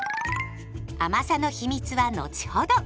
甘さの秘密は後ほど。